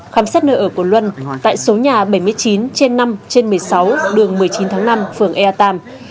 khám xét nơi ở của luân tại số nhà bảy mươi chín trên năm trên một mươi sáu đường một mươi chín tháng năm phường ea tam